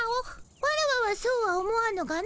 ワラワはそうは思わぬがの。